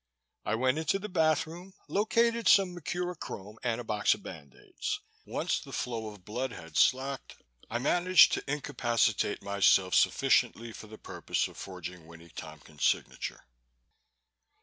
I went into the bathroom, located some mercurochrome and a box of band aids. Once the flow of blood had slacked, I managed to incapacitate myself sufficiently for the purpose of forging Winnie Tompkins' signature.